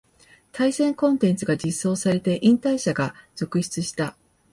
対戦コンテンツが実装されて引退者が続出した